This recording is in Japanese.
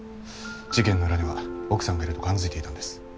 事件の裏には奥さんがいると勘付いていたんです。